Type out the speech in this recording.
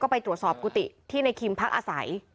ไปตรวจสอบกุฏิที่ในคิมพักอาศัย